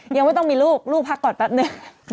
ยังไม่ต้องมีลูกลูกพักก่อนแป๊บนึง